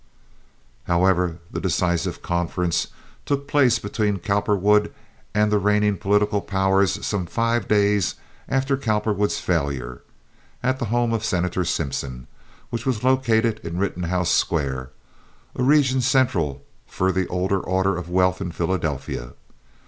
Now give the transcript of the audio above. However, the decisive conference took place between Cowperwood and the reigning political powers some five days after Cowperwood's failure, at the home of Senator Simpson, which was located in Rittenhouse Square—a region central for the older order of wealth in Philadelphia.